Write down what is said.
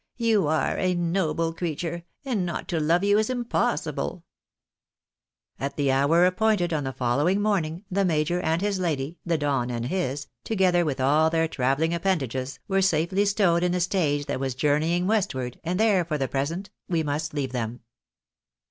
You are a noble creature, and not to love you is im possible !"^^^ iff 5|f At the hour appointed on the following morning the major and his lady, the Don and his, together with all their travelling appen dages, were safely stowed in a stage that was journeying westward, and there, for the present, we must leave them.